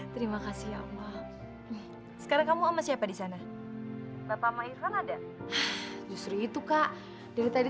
terima kasih allah sekarang kamu sama siapa di sana bapak mahir kan ada justru itu kak dari tadi